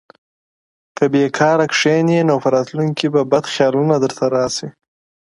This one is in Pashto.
که بېکاره کښېنې نو په راتلونکي کي به بد خیالونه درته راسي.